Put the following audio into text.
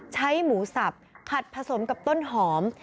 ใช้หมูสับผัดผสมกับต้นหอม